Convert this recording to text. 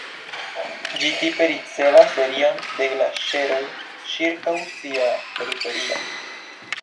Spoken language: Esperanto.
Ĝi tipe ricevas serion de glaĉeroj ĉirkaŭ sia periferio.